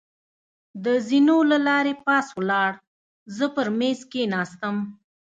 د زېنو له لارې پاس ولاړ، زه پر مېز کېناستم.